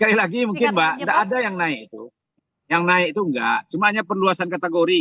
jadi sekali lagi mungkin mbak tidak ada yang naik itu yang naik itu enggak cuma hanya perluasan kategori